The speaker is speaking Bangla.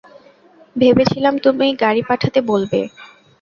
ভেবেছিলাম তুমি গাড়ি পাঠাতে বলবে।